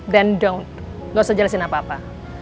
then don't gak usah jelasin apa apa